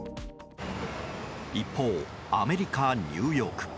一方、アメリカ・ニューヨーク。